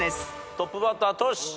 トップバッタートシ。